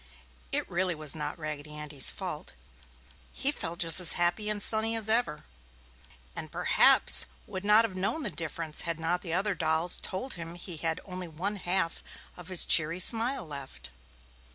It really was not Raggedy Andy's fault. He felt just as happy and sunny as ever. And perhaps would not have known the difference had not the other dolls told him he had only one half of his cheery smile left.